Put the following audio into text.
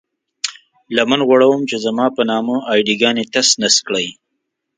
لمن غوړوم چې زما په نامه اې ډي ګانې تس نس کړئ.